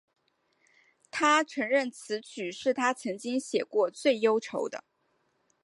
她承认此曲是她曾经写过最忧愁的。